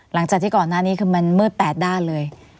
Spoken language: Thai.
หลังจากที่ก่อนหน้านี้คือมันมืด๘ด้านเลย